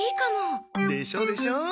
でしょでしょ？